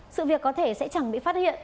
sự việc có thể sẽ chẳng bị phát hiện